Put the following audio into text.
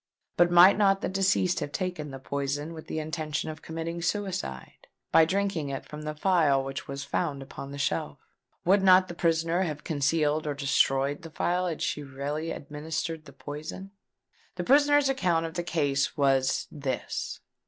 But might not the deceased have taken the poison with the intention of committing suicide, by drinking it from the phial which was found upon the shelf? Would not the prisoner have concealed or destroyed the phial, had she really administered the poison? The prisoner's account of the case was this.